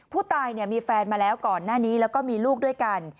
ผู้ตายมีแฟนมาแล้วก่อนหน้านี้แล้วก็มีลูกด้วยกัน